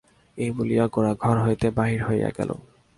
এই বলিয়া গোরা ঘর হইতে বাহির হইয়া গেল।